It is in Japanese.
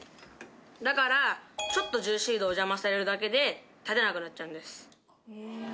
だからちょっと重心移動を邪魔されるだけで立てなくなっちゃうんです。